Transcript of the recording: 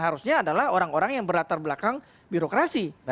harusnya adalah orang orang yang berlatar belakang birokrasi